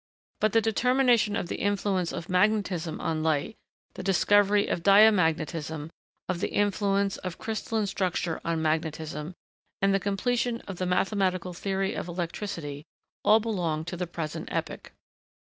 But the determination of the influence of magnetism on light, the discovery of diamagnetism, of the influence of crystalline structure on magnetism, and the completion of the mathematical theory of electricity, all belong to the present epoch.